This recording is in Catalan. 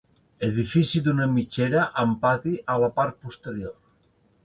Edifici d'una mitgera, amb pati a la part posterior.